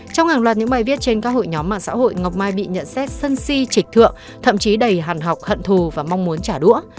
trong hàng loạt những bài viết trên các hội nhóm mạng xã hội ngọc mai bị nhận xét sân si trịch thượng thậm chí đầy hàn học hận thù và mong muốn trả đũa